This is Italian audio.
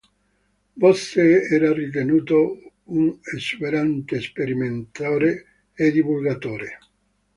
Bose era ritenuto un esuberante sperimentatore e divulgatore.